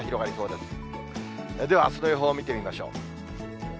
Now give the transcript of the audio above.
では、あすの予報を見てみましょう。